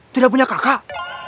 tidak punya kakak